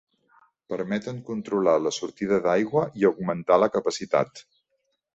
Permeten controlar la sortida d'aigua i augmentar la capacitat.